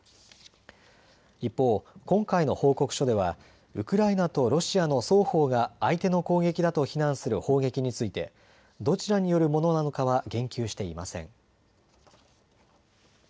一方、今回の報告書ではウクライナとロシアの双方が相手の攻撃だと非難する砲撃についてどちらによるものなのかは言及していません。